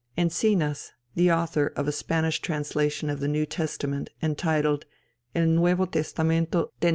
Enzinas, the author of a Spanish translation of the New Testament entitled _El Nuevo Testamento de N.